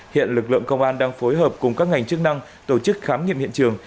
hiện lực lượng công an đang phối hợp cùng các ngành chức năng tổ chức khám nghiệm hiện trường